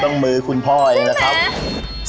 ต้องมื้อคุณพ่อเองนะครับ